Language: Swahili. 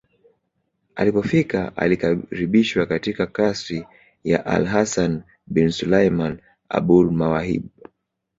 Alipofika alikaribishwa katika kasri la alHasan ibn Sulaiman AbulMawahib